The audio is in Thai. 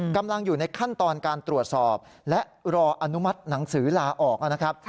กำลังอยู่ในขั้นตอนการตรวจสอบและรออนุมัติหนังสือลาออกนะครับ